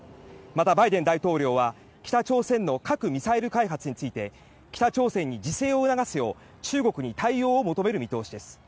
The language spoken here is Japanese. また、バイデン大統領は北朝鮮の核・ミサイル開発について北朝鮮に自制を促すよう中国に対応を求める見通しです。